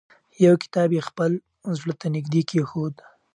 یو کتاب یې خپل زړه ته نږدې کېښود.